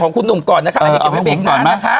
ของคุณหนุ่มก่อนนะคะอันนี้เก็บไว้เบกหน้านะคะ